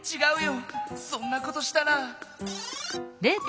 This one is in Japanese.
そんなことしたら。